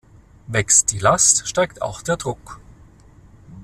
Wächst die Last, steigt auch der Druck.